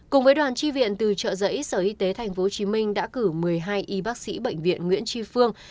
cùng với đoàn tri viện từ trợ giấy sở y tế tp hcm đã cử một mươi hai y bác sĩ bệnh viện nguyễn tri phương